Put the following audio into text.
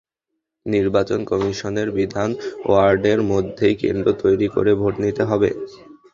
নির্বাচন কমিশনের বিধান, ওয়ার্ডের মধ্যেই কেন্দ্র তৈরি করে ভোট নিতে হবে।